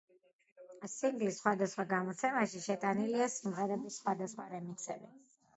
სინგლის სხვადასხვა გამოცემაში შეტანილია სიმღერების სხვადასხვა რემიქსები.